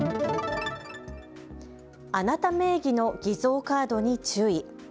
あなた名義の偽造カードに注意。